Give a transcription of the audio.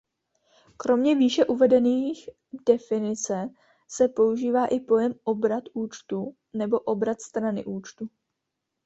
Kromě výše uvedených definice se používá i pojem obrat účtu nebo obrat strany účtu.